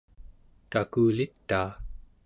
takulitaa